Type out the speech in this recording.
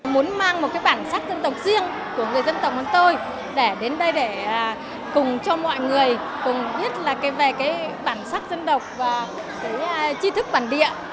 muốn mang một cái bản sắc dân tộc riêng của người dân tộc hơn tôi để đến đây để cùng cho mọi người cùng biết là về cái bản sắc dân tộc và cái chi thức bản địa